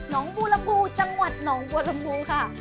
น้องบูรบูจังหวัดน้องบูรบูค่ะ